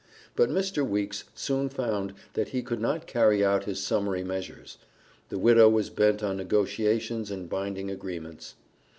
But Mr. Weeks soon found that he could not carry out his summary measures. The widow was bent on negotiations and binding agreements.